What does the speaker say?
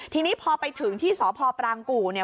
ทีนี้พอไปถึงที่สพปรางกู่เนี่ย